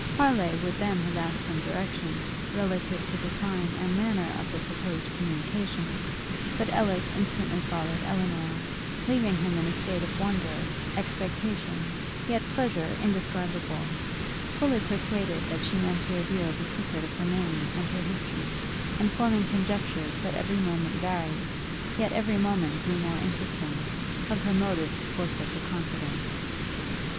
Harleigh would then have asked some directions, relative to the time and manner of the purposed communication; but Ellis instantly followed Elinor; leaving him in a state of wonder, expectation, yet pleasure indescribable; fully persuaded that she meant to reveal the secret of her name and her history; and forming conjectures that every moment varied, yet every moment grew more interesting, of her motives for such a confidence.